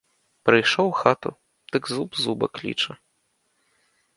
Прыйшоў у хату, дык зуб зуба кліча.